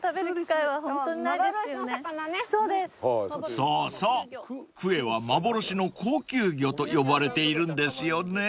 ［そうそうクエは幻の高級魚と呼ばれているんですよね］